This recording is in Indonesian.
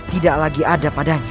tidak lagi ada padanya